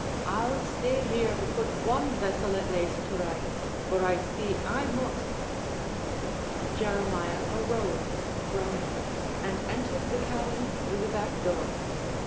I'll stay here to put one vessel at laste to rights for I see I must." Jeremiah arose, groaning, and entered the cabin through the back door.